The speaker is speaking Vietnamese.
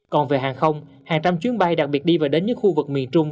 còn về hàng không hàng trăm chuyến bay đặc biệt đi và đến những khu vực miền trung